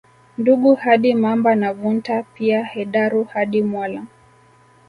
Ndungu hadi Mamba na Vunta pia Hedaru hadi Mwala